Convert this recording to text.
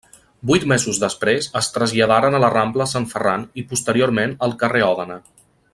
Vuit mesos després es traslladaren a la Rambla Sant Ferran i posteriorment al carrer Òdena.